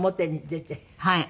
はい。